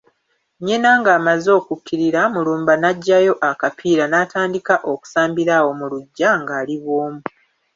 Nnyina ng’amaze okukkirira, Mulumba najjayo akapiira natandika okusambira awo mu luggya ng’ali bwomu.